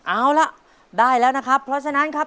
เอาล่ะได้แล้วนะครับเพราะฉะนั้นครับ